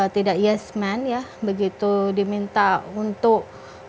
tidak yes man ya begitu diminta untuk